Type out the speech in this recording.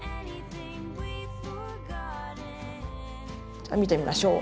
じゃあ見てみましょう。